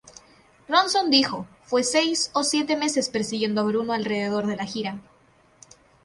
Ronson dijo, "Fue seis o siete meses persiguiendo a Bruno alrededor de la gira.